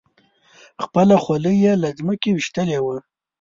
خپله خولۍ یې له ځمکې ویشتلې وه.